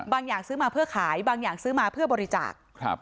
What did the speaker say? อย่างซื้อมาเพื่อขายบางอย่างซื้อมาเพื่อบริจาค